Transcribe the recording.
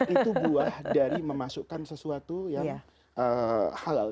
itu buah dari memasukkan sesuatu yang halal